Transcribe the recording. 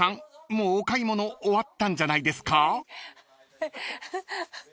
もうお買い物終わったんじゃないですか？］